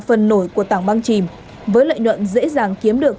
phần nổi của tảng băng chìm với lợi nhuận dễ dàng kiếm được